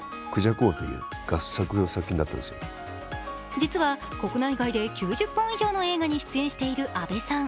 実は国内外で９０本以上の映画に出演している阿部さん。